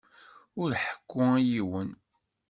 Ur ḥekku i yiwen.